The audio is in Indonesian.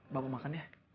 bapak makan ya